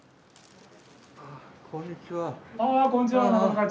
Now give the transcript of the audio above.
こんにちは。